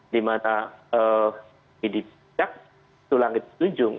dimana di titik sulang itu tujung